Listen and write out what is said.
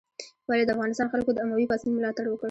ولې د افغانستان خلکو د اموي پاڅون ملاتړ وکړ؟